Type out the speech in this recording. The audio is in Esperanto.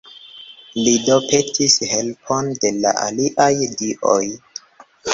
Li do petis helpon de la aliaj dioj.